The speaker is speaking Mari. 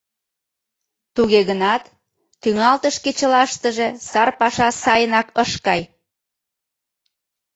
Туге гынат, тӱҥалтыш кечылаштыже сар паша сайынак ыш кай.